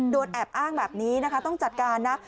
แอบอ้างแบบนี้นะคะต้องจัดการนะ